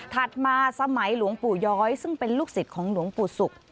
มาสมัยหลวงปู่ย้อยซึ่งเป็นลูกศิษย์ของหลวงปู่ศุกร์